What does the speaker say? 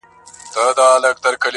جادوګر ویل زما سر ته دي امان وي!!